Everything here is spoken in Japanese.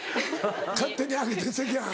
勝手に上げて赤飯。